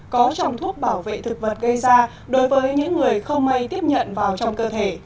có trong thuốc bảo vệ thực vật gây ra đối với những người không may tiếp nhận vào trong cơ thể